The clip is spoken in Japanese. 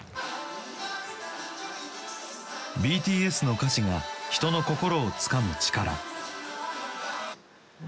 ＢＴＳの歌詞が人の心をつかむ力。